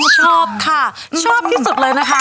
ชอบค่ะชอบที่สุดเลยนะคะ